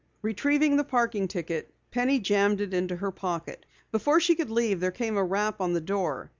Retrieving the parking ticket, Penny jammed it into her pocket. Before she could leave there came a rap on the door.